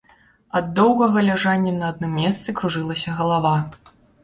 Ад доўгага ляжання на адным месцы кружылася галава.